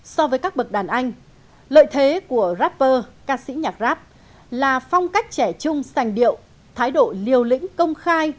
so với các bậc đàn anh lợi thế của rapper ca sĩ nhạc rap là phong cách trẻ chung sành điệu thái độ liều lĩnh công khai